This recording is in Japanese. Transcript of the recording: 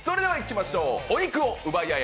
お肉を奪い合え！